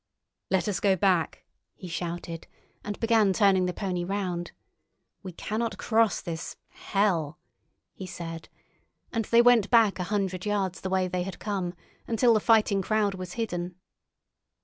"Let us go back!" he shouted, and began turning the pony round. "We cannot cross this—hell," he said and they went back a hundred yards the way they had come, until the fighting crowd was hidden.